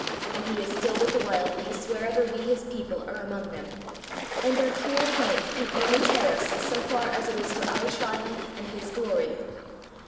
And He is still with the wild beasts wherever we His people, are among them; and their cruel fangs can only tear us so far as it is for our triumph and His glory.'